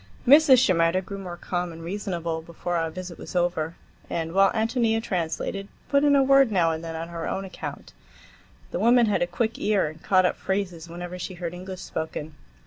Mrs. Shimerda grew more calm and reasonable before our visit was over, and, while Ántonia translated, put in a word now and then on her own account. The woman had a quick ear, and caught up phrases whenever she heard English spoken.